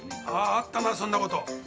ああったなそんな事。